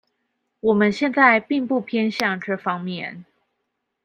我們現在並不偏向這方面